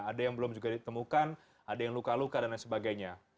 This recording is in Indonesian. ada yang belum juga ditemukan ada yang luka luka dan lain sebagainya